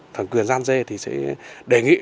thằng quyền gian dê thì sẽ đề nghị